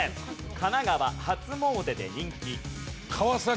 神奈川初詣で人気。